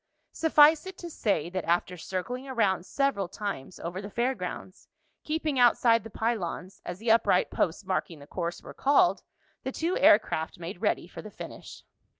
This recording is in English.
Suffice it to say, that after circling around several times over the fair grounds, keeping outside the pylons, as the upright posts marking the course were called, the two air craft made ready for the finish.